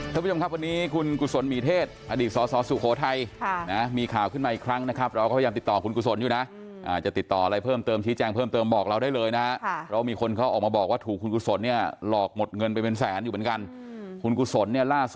สวัสดีค่ะวันนี้คุณกุศลเหมียเทศ